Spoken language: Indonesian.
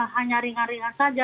hanya ringan ringan saja